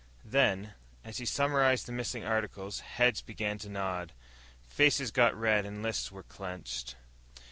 Then, as he summarized the missing articles, heads began to nod. Faces got red and lists were clenched.